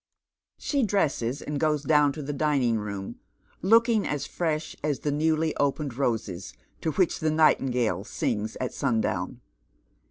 She dresses, and goes down to the dining room, looking as fresh as the new\}' opened roses, to which the nightingale sings at sun down.